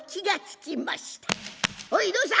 「おいどうした。